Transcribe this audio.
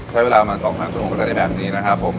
ใช้เวลาประมาณ๒๐๐ชั่วโมงก็จะได้แบบนี้นะครับผม